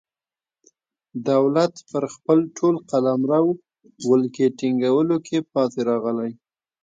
دولت پر خپل ټول قلمرو ولکې ټینګولو کې پاتې راغلی.